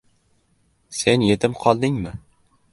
Sen yetim qoldingmi?